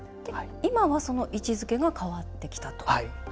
今はその位置づけが変わってきたと。